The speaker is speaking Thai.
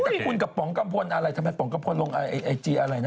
แต่คุณกับป๋องกัมพลอะไรทำไมป๋องกัมพลลงไอจีอะไรนะ